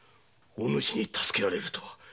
お主に助けられるとは。